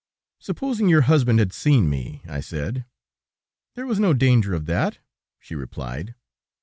"Supposing your husband had seen me?" I said. "There was no danger of that," she replied.